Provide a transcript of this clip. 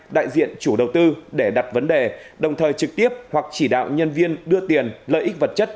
đại diện chủ đầu tư để đặt vấn đề đồng thời trực tiếp hoặc chỉ đạo nhân viên đưa tiền lợi ích vật chất